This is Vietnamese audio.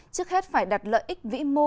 và phải đặt lợi ích vĩ mô